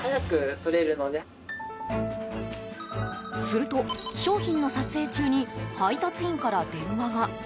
すると商品の撮影中に配達員から電話が。